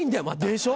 でしょ？